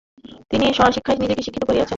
তিনি স্ব-শিক্ষায় নিজেকে শিক্ষিত করেছিলেন।